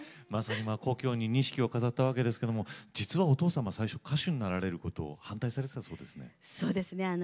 まさに故郷に錦を飾ったわけですけども実はお父様最初歌手になられることを反対されてたそうですね。